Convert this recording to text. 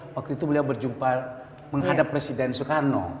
waktu itu beliau berjumpa menghadap presiden soekarno